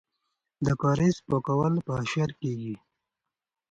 د کاریز پاکول په اشر کیږي.